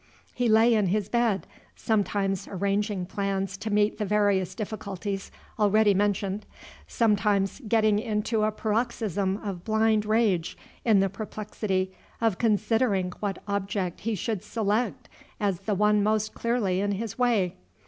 He lay in his bed, sometimes arranging plans to meet the various difficulties already mentioned, sometimes getting into a paroxysm of blind rage in the perplexity of considering what object he should select as the one most clearly in his way.